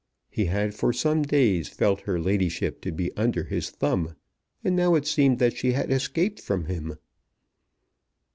He had for some days felt her ladyship to be under his thumb, and now it seemed that she had escaped from him.